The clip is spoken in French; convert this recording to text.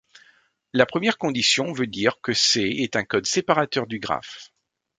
La première condition veut dire que C est un code séparateur du graphe.